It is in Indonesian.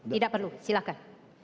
tidak perlu silakan